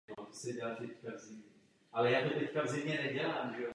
Řekla jsem již dříve, že Američané mají dobrou vůli.